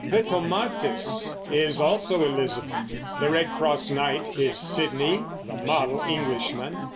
Britomartis is also Elizabeth. The Redcross Knight is Sidney, the model Englishman.